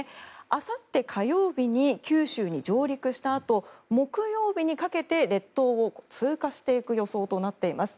あさって火曜日に九州に上陸したあと木曜日にかけて列島を通過していく予想となっています。